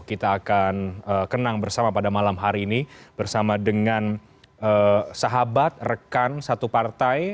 kita akan kenang bersama pada malam hari ini bersama dengan sahabat rekan satu partai